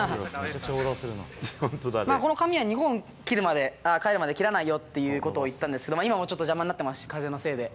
この髪は日本に帰るまで切らないよっていうことを言ったんですけど、今もちょっと邪魔になってます、風のせいで。